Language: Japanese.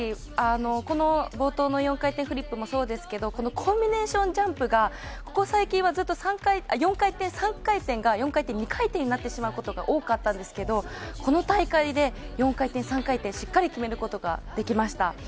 冒頭の４回転フリップもそうですけどコンビネーションジャンプがここ最近はずっと３回転・４回転が４回転・２回転になってしまうことが多かったんですけどこの大会で４回転、３回転しっかり決めることができました。